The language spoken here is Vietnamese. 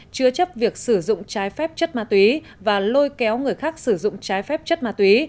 chứa chấp việc sử dụng trái phép chất ma túy và lôi kéo người khác sử dụng trái phép chất ma túy